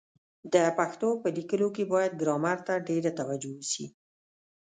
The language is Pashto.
د پښتو په لیکلو کي بايد ګرامر ته ډېره توجه وسي.